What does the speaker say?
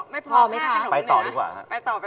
ไม่พอไม่ทานไปต่อดีกว่าครับ